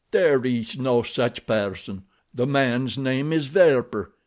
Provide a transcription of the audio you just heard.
"There is no such person. The man's name is Werper.